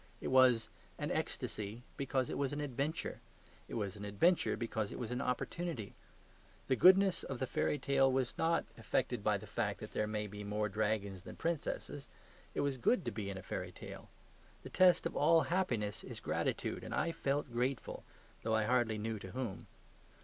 It was an ecstasy because it was an adventure; it was an adventure because it was an opportunity. The goodness of the fairy tale was not affected by the fact that there might be more dragons than princesses; it was good to be in a fairy tale. The test of all happiness is gratitude; and I felt grateful, though I hardly knew to whom.